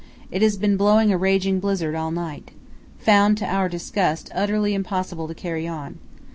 It has been blowing a raging blizzard all night. Found to our disgust utterly impossible to carry on.